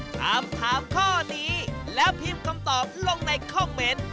ถามถามข้อนี้แล้วพิมพ์คำตอบลงในคอมเมนต์